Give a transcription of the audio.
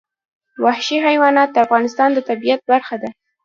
وحشي حیوانات د افغانستان د طبیعت برخه ده.